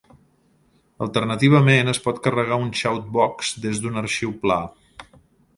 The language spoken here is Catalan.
Alternativament, es pot carregar un shoutbox des d'un arxiu pla.